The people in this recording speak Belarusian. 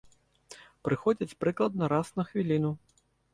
Прыходзяць прыкладна раз на хвіліну.